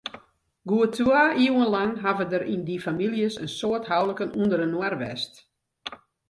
Goed twa iuwen lang hawwe der yn dy famyljes in soad houliken ûnderinoar west.